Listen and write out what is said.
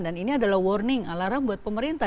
dan ini adalah warning alarm buat pemerintah